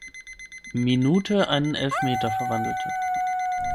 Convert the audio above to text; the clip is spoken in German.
Minute einen Elfmeter verwandelte.